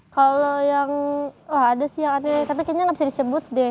kalau yang wah ada sih yang aneh tapi kayaknya nggak bisa disebut deh